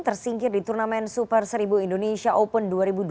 tersingkir di turnamen super seribu indonesia open dua ribu dua puluh